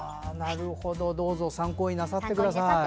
どうぞ参考になさってください。